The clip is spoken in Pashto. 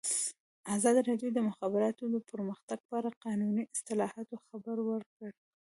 ازادي راډیو د د مخابراتو پرمختګ په اړه د قانوني اصلاحاتو خبر ورکړی.